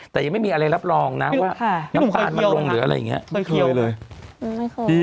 แต่ยังไม่มีอะไรรับรองนะว่าน้ำตาลรับรองหรืออะไรอย่างนี้